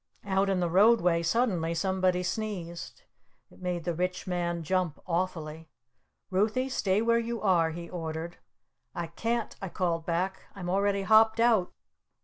_" Out in the roadway suddenly somebody sneezed. It made the Rich Man jump awfully. "Ruthy, stay where you are!" he ordered. "I can't!" I called back. "I'm already hopped out!"